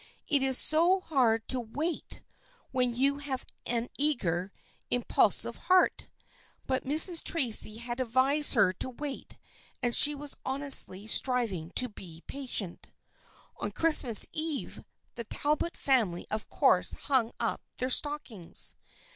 It is so hard to wait when you have an eager, impulsive THE FRIENDSHIP OF ANNE 185 heart ! But Mrs. Tracy had advised her to wait and she was honestly striving to be patient. On Christmas Eve the Talbot family of course hung up their stockings.